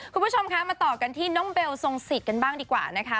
คุณผู้ชมคะมาต่อกันที่น้องเบลทรงสิทธิ์กันบ้างดีกว่านะคะ